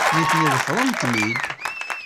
Nitni ḍefren-kem-id.